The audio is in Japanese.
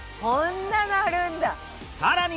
さらに